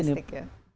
ya memang begini